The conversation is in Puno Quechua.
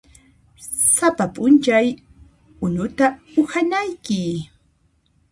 Sapa p'unchay unuta uhanayki.